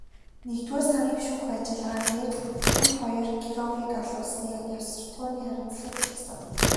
Нэгдүгээр сарын шүүх ажиллагаан дээр тэр хоёр Кировыг алуулсны ёс суртахууны хариуцлагыг хүлээсэн.